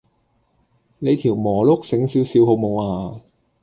你條磨碌醒少少好無呀